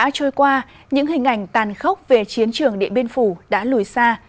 vâng thưa quý vị bảy mươi năm đã trôi qua những hình ảnh tàn khốc về chiến trường điện biên phủ đã lùi xa